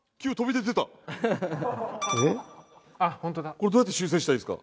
これどうやって修正したらいいですか？